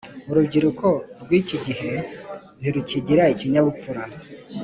Urubyiruko rw’iki gihe ntirukigira ikinyabupfura